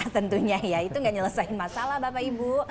tentunya ya itu gak nyelesain masalah bapak ibu